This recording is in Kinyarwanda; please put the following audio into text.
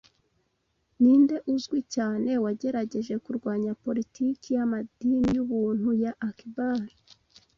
Ninde uzwi cyane wagerageje kurwanya politiki y’amadini yubuntu ya Akbar